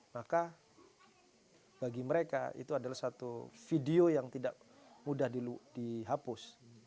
maka bagi mereka itu adalah satu video yang tidak mudah dihapus